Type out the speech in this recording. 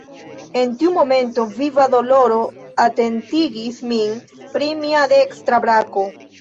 En tiu momento, viva doloro atentigis min pri mia dekstra brako.